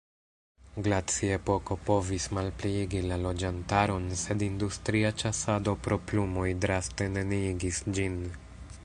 Glaciepoko povis malpliigi la loĝantaron, sed industria ĉasado pro plumoj draste neniigis ĝin.